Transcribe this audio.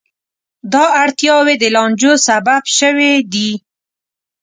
دا اړتیاوې د لانجو سبب شوې دي.